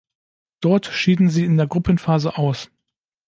Dort schieden sie in der Gruppenphase aus.